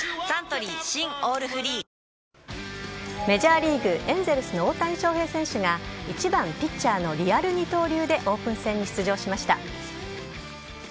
メジャーリーグエンゼルスの大谷翔平選手が１番・ピッチャーのリアル二刀流でオープン戦に出場しました。